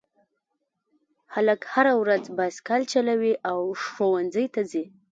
هلک هره ورځ بایسکل چلوي او ښوونځي ته ځي